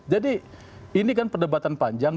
ini kan perdebatan panjang